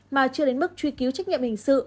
mà chưa đến mức truy cứu trách nhiệm hình sự